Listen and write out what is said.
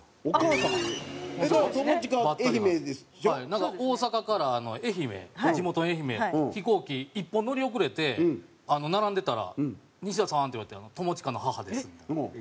なんか大阪から愛媛地元の愛媛飛行機１本乗り遅れて並んでたら「西田さん」って言われて「友近の母です」みたいな。